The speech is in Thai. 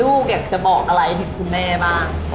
ลูกอยากจะบอกอะไรถึงคุณแม่บ้าง